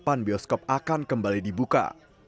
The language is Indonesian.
kapan bioskop akan kembali dibuka